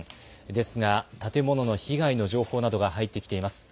ですが、建物の被害の情報などが入ってきています。